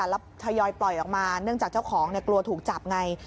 แล้วทยอยปล่อยออกมาเนื่องจากเจ้าของกลัวถูกจับไง